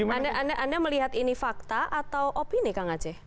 anda melihat ini fakta atau opini kang aceh